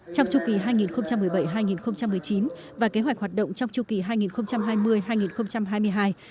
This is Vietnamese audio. trong chu kỳ hai nghìn một mươi bảy hai nghìn một mươi chín và kế hoạch hoạt động trong chu kỳ hai nghìn hai mươi hai nghìn hai mươi hai